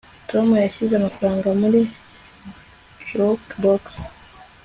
tom yashyize amafaranga muri jukebox